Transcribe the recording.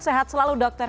sehat selalu dokter